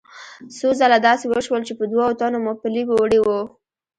څو ځله داسې وشول چې په دوو تنو مو پلي وړي وو.